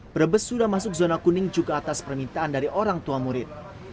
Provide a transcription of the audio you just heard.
brebes sudah masuk zona kuning juga atas permintaan dari orang tua murid